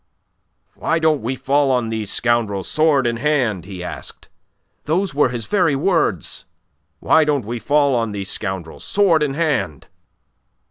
'Why don't we fall on these scoundrels, sword in hand?' he asked. Those were his very words: 'Why don't we fall on these scoundrels, sword in hand.